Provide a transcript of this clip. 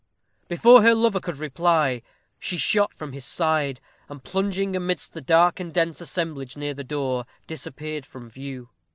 Before her lover could reply, she shot from his side, and plunging amidst the dark and dense assemblage near the door, disappeared from view.